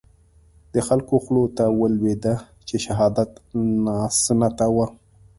د خلکو خولو ته ولويده چې شهادي ناسنته وو.